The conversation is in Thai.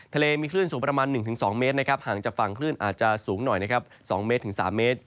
ทะเลมีคลื่นสูงประมาณ๑๒เมตรห่างจากฝั่งคลื่นอาจจะสูงหน่อย๒๓เมตร